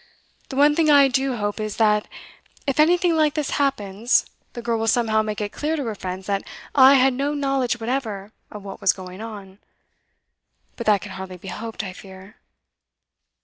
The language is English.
The one thing I do hope is, that, if anything like this happens, the girl will somehow make it clear to her friends that I had no knowledge whatever of what was going on. But that can hardly be hoped, I fear!